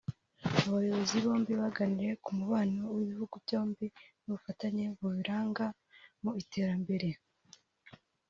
Aba bayobozi bombi baganiriye ku mubano w’ibihugu byombi n’ubufatanye bubiranga mu iterambere